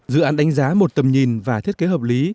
dự án đánh giá một tầm nhìn và thiết kế hợp lý